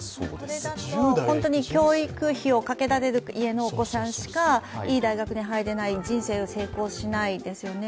それだと本当に教育費をかけられる家のお子さんしかいい大学には入れない人生が成功しないですよね。